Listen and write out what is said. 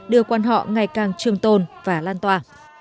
đưa quan họ ngày càng trường tồn và lan tỏa